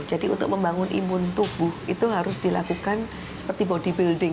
jadi untuk membangun imun tubuh itu harus dilakukan seperti bodybuilding